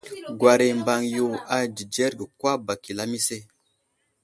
Gwara i Mbaŋ yo a dzidzerge kwa bak i lamise.